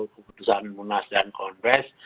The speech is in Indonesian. keputusan munas dan konves